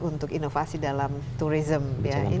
untuk inovasi dalam turisme